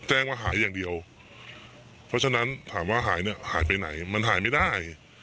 แจ้งว่าหายอย่างเดียวเพราะฉะนั้นถามว่าหายเนี่ยหายไปไหนมันหายไม่ได้